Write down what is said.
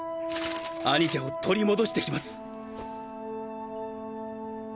兄者を取り戻してきます！